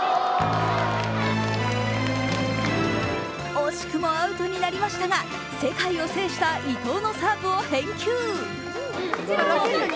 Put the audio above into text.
惜しくもアウトになりましたが世界を制した伊藤のサーブを返球。